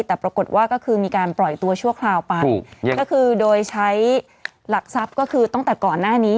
แต่ปรากฏว่าก็คือมีการปล่อยตัวชั่วคราวไปก็คือโดยใช้หลักทรัพย์ก็คือตั้งแต่ก่อนหน้านี้